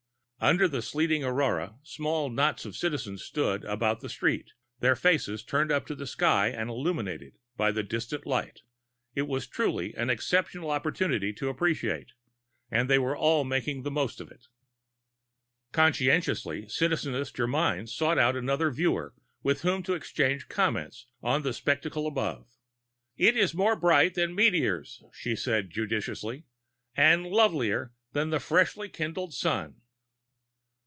Under the sleeting aurora, small knots of Citizens stood about the streets, their faces turned up to the sky and illuminated by the distant light. It was truly an exceptional opportunity to Appreciate and they were all making the most of it. Conscientiously, Citizeness Germyn sought out another viewer with whom to exchange comments on the spectacle above. "It is more bright than meteors," she said judiciously, "and lovelier than the freshly kindled Sun."